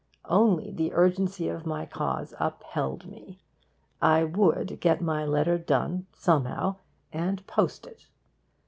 Only the urgency of my cause upheld me. I would get my letter done somehow and post it.